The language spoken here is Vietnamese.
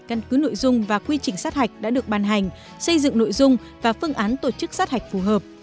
căn cứ nội dung và quy trình sát hạch đã được ban hành xây dựng nội dung và phương án tổ chức sát hạch phù hợp